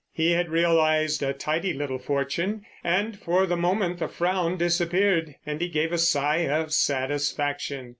He had realised a tidy little fortune, and for the moment the frown disappeared and he gave a sigh of satisfaction.